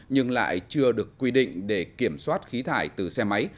nhưng lại chưa được quy định để kiểm soát khí thải từ xe máy